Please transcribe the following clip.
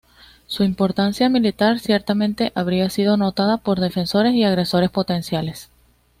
Su importancia militar ciertamente habría sido notada por defensores y agresores potenciales.